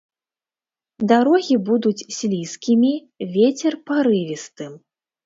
Дарогі будуць слізкімі, вецер парывістым.